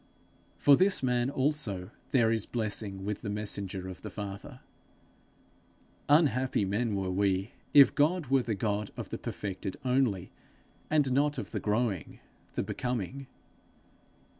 For this man also there is blessing with the messenger of the Father. Unhappy men were we, if God were the God of the perfected only, and not of the growing, the becoming!